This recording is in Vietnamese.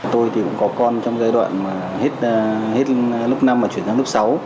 tôi thì cũng có con trong giai đoạn mà hết lớp năm và chuyển sang lớp sáu